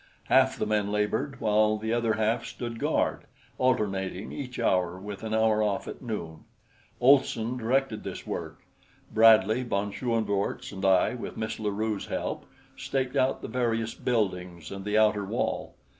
Half the men labored while the other half stood guard, alternating each hour with an hour off at noon. Olson directed this work. Bradley, von Schoenvorts and I, with Miss La Rue's help, staked out the various buildings and the outer wall.